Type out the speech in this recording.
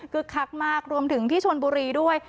คือคักมากรวมถึงที่ชนบุรีด้วย